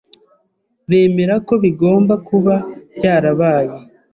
bemera ko bigomba kuba byarabaye.